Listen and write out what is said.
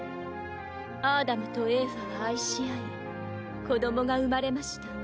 アーダムとエーファは愛し合い子どもが生まれました。